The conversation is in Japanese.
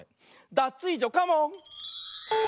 ダツイージョカモン！